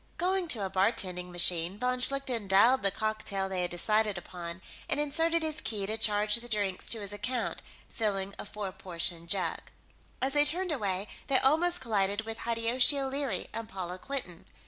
Going to a bartending machine, von Schlichten dialed the cocktail they had decided upon and inserted his key to charge the drinks to his account, filling a four portion jug. As they turned away, they almost collided with Hideyoshi O'Leary and Paula Quinton.